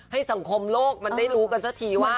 ให้สังคมโลกมันได้รู้กันสักทีว่า